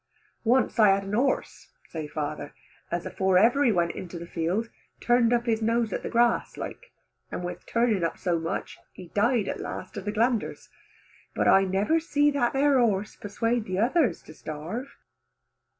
Once I had a horse, say father, as afore ever he went into the field, turned up his nose at the grass like, and with turning up so much he died at last of the glanders. But I never see that there horse persuade the others to starve."